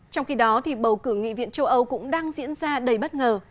trong khi đó bầu cử nghị viện châu âu cũng đang diễn ra đầy bất ngờ